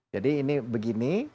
jadi ini begini